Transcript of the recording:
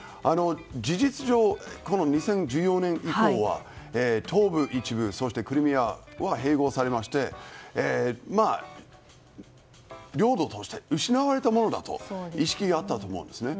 事実上、２０１４年以降は東部の一部とそしてクリミアは併合されまして領土として失われたものだという意識があったと思うんですね。